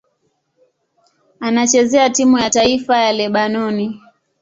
Anachezea timu ya taifa ya Lebanoni.